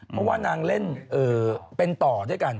เพราะว่านางเล่นเป็นต่อด้วยกัน